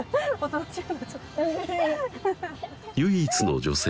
唯一の女性